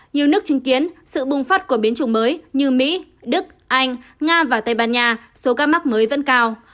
nhiều nước chứng kiến sự bùng phát của biến chủng mới như mỹ đức anh nga và tây ban nha số ca mắc mới vẫn cao